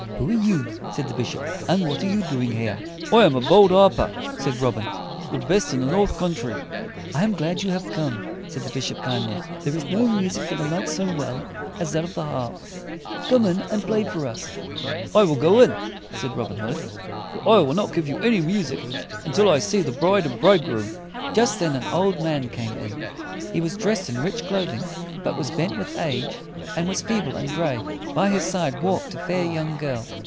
"Who are you?" said the bishop, "and what are you doing here?" "I am a bold harper," said Robin, "the best in the north country." "I am glad you have come," said the bishop kindly. "There is no music that I like so well as that of the harp. Come in, and play for us." "I will go in," said Robin Hood; "but I will not give you any music until I see the bride and bridegroom." Just then an old man came in. He was dressed in rich clothing, but was bent with age, and was feeble and gray. By his side walked a fair young girl.